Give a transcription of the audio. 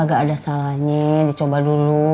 agak ada salahnya dicoba dulu